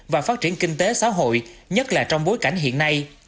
và phát triển kinh tế xã hội nhất là trong bối cảnh hiện nay